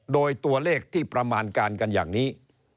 โดยตัวเลขที่ประมาณการกันอย่างนี้